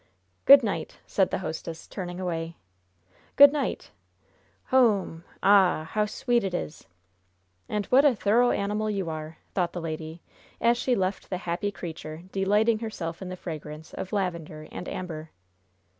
"Good night," said the hostess, turning away. "Good night! Hoome ah h h! how sweet it is!" "And what a thorough animal you are!" thought the lady, as she left the happy creature delighting herself in the fragrance of lavender and amber.